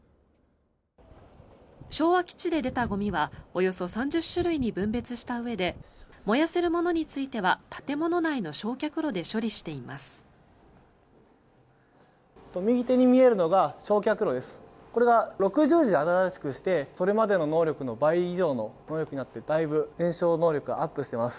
昭和基地で出たゴミはおよそ３０種類に分別したうえで燃やせるものについては建物内の焼却炉で処理しています。